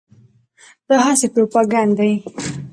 دا هسې پروپاګند دی.